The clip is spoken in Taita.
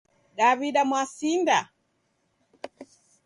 Daw'ida mwasinda